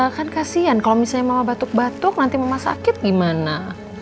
kan kasian kalau misalnya mama batuk batuk nanti mama sakit gimana